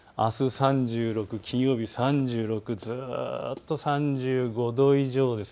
あす３６、金曜日３６、ずっと３５度以上です。